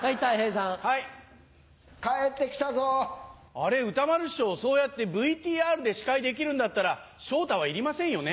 あれ歌丸師匠そうやってＶＴＲで司会できるんだったら昇太はいりませんよね。